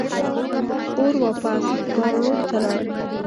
اور واپس ګارلوک ته لاړ.